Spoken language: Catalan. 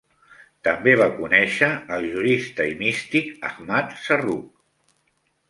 També va conèixer al jurista i místic Ahmad Zarruq.